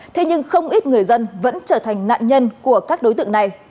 thế nhưng không ít người dân vẫn trở thành nạn nhân của các đối tượng này